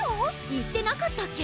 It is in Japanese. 言ってなかったっけ？